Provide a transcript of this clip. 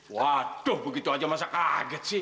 waduh begitu saja masa kaget sih